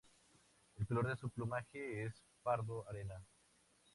El color de su plumaje es pardo arena.